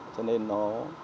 cho nên nó